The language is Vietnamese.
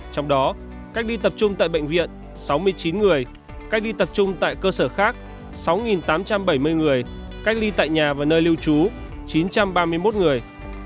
trong đó cách ly tập trung tại bệnh viện sáu mươi chín người cách ly tập trung tại cơ sở khác sáu tám trăm bảy mươi người cách ly tại nhà và nơi lưu trú chín trăm ba mươi một người